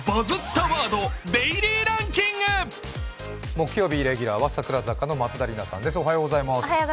木曜日レギュラーは櫻坂の松田里奈さんです。